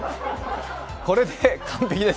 これで完璧です。